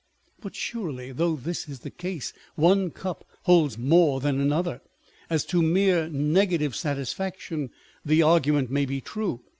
But surely, though this is the case, one cup holds more than another. As to mere negative satisfaction, the argument may be true.